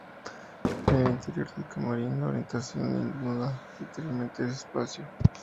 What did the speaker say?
En el interior del camarín la ornamentación inunda, literalmente, el espacio.